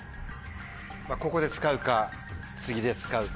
ここで使うか次で使うか。